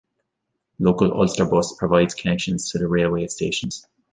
Local Ulsterbus provides connections to the railway stations.